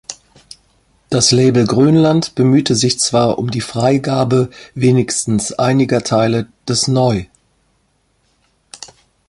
Das Label Grönland bemühte sich zwar um die Freigabe wenigstens einiger Teile des „Neu!